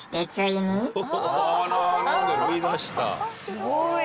すごい。